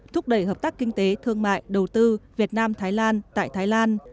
thúc đẩy hợp tác kinh tế thương mại đầu tư việt nam thái lan tại thái lan